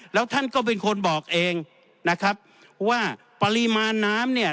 แล้วท่านก็เป็นคนบอกเองนะครับว่าปริมาณน้ำเนี่ย